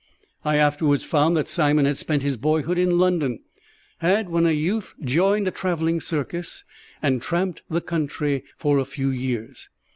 I afterwards found that Simon had spent his boyhood in London, had when a youth joined a travelling circus, and tramped the country for a few years.